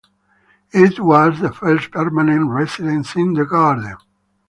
It was the first permanent residence in the garden.